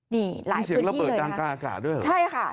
นี่หลายพื้นที่เลยนะคะมีเสียงระเบิดดังกล่าด้วยเหรอ